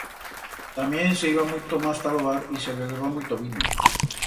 Tamién s'iba muito mas ta lo bar y se bebeba muito vino.